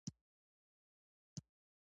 په ډېر عزت یې مومن خان راوغوښت.